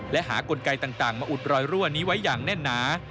และหากลไกต่างมาอุดรอยรั่วนี้ไว้อย่างแน่นหนา